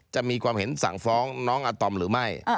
จะมีความเห็นสั่งฟ้องน้องอาตอมหรือไม่